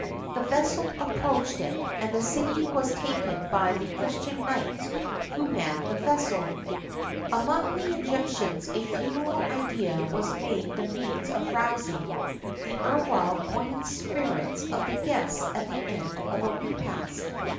The vessel approached it, and the city was taken by the Christian knights who manned the vessel.[XXXIV 31] Among the Egyptians a funereal idea was made the means of rousing the erewhile buoyant spirits of the guests at the end of a repast.